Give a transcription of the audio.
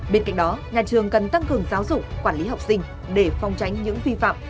bên cạnh đó nhà trường cần tăng cường giáo dục quản lý học sinh để phong tránh những vi phạm